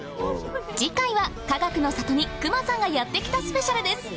次回はかがくの里に隈さんがやって来たスペシャルです